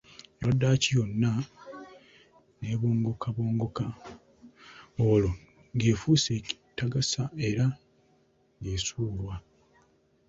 Erwa ddaaki yonna n'ebongokabongoka, olwo ng'efuuse ekitagasa era ng'esuulwa!